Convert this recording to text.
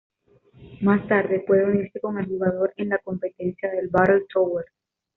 Más tarde, puede unirse con el jugador en la competencia de la Battle Tower.